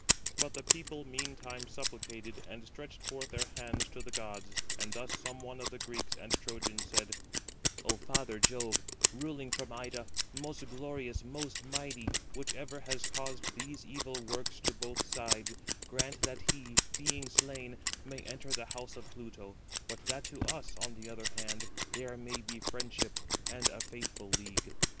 But the people meantime supplicated, and stretched forth their hands to the gods; and thus some one of the Greeks and Trojans said: "O father Jove, ruling from Ida, most glorious, most mighty, whichever has caused these evil works to both sides, grant that he, being slain, may enter the house of Pluto, but that to us, on the other hand, there may be friendship and a faithful league."